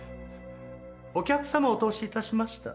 お客様をお通し致しました。